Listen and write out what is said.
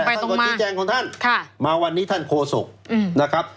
ตรงไปตรงมาของท่านค่ะมาวันนี้ท่านโคศกอืมนะครับ